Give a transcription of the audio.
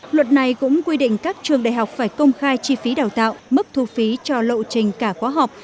luật này cũng quy định các trường đại học phải công khai chi phí đào tạo mức thu phí cho lộ trình cả khóa học